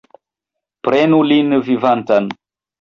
Prenu lin vivantan!